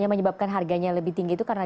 yang menyebabkan harganya lebih tinggi itu karena